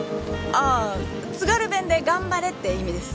あ津軽弁で頑張れって意味です。